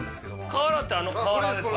瓦ってあの瓦ですか？